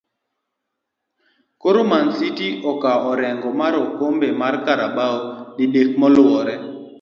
koro Mancity okao orengo mar okombe mar Carabao didek maluree